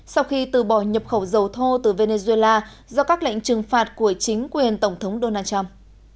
sau khi từ bỏ nhập khẩu dầu thô từ venezuela do các lệnh trừng phạt của chính quyền tổng thống donald trump